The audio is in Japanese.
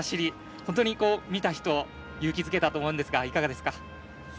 本当に見た人を勇気づけたと思いますが、いかがですか？